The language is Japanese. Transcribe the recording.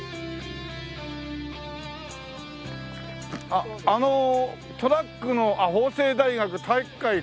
あっあのトラックの「法政大学体育会航空部」。